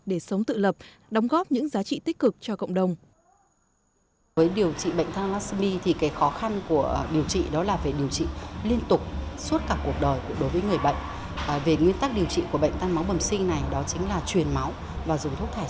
để sống tự lập đóng góp những giá trị tích cực cho cộng đồng